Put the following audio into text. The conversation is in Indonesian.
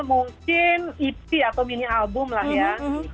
mungkin epi atau mini album lah ya